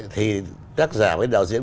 thì tác giả với đạo diễn